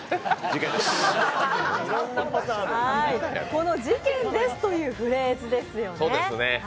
この「事件です」というフレーズですよね。